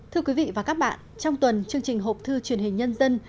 thưa quý vị và các bạn trong tuần chương trình hộp thư truyền hình nhân dân